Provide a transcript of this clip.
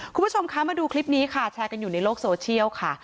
คุณผู้ชมคะมาดูคลิปนี้ค่ะแชร์กันอยู่ในโลกโซเชียลค่ะ